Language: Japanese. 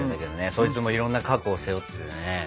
そいつもいろんな過去を背負っててね。